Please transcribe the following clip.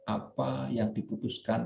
apa yang diputuskan